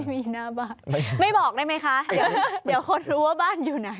มีหน้าบ้านไม่บอกได้ไหมคะเดี๋ยวคนรู้ว่าบ้านอยู่ไหน